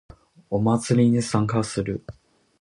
お祭りに参加する